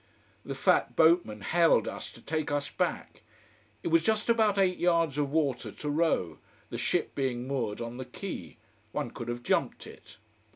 The fat boatman hailed us to take us back. It was just about eight yards of water to row, the ship being moored on the quay: one could have jumped it.